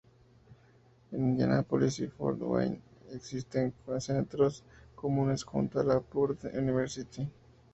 En Indianápolis y Fort Wayne existen centros comunes junto con la Purdue University.